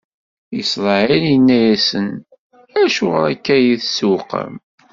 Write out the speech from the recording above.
Isṛayil inna-asen: Acuɣer akka i yi-tesɛewqem?